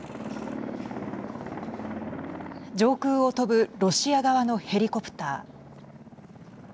上空を飛ぶロシア側のヘリコプター。